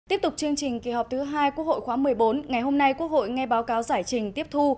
tiếp tục chương trình kỳ họp thứ hai quốc hội khóa một mươi bốn ngày hôm nay quốc hội nghe báo cáo giải trình tiếp thu